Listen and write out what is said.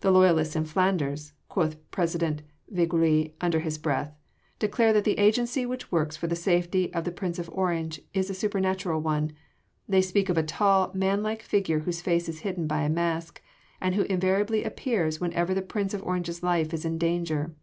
"The loyalists in Flanders," quoth President Viglius under his breath, "declare that the agency which works for the safety of the Prince of Orange is a supernatural one. They speak of a tall, manlike figure whose face is hidden by a mask, and who invariably appears whenever the Prince of Orange’s life is in danger.